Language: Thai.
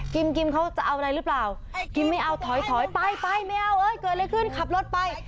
กิมเขาจะเอาอะไรหรือเปล่ากิมไม่เอาถอยถอยไปไปไม่เอาเอ้ยเกิดอะไรขึ้นขับรถไป